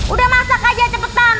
udah masak aja cepetan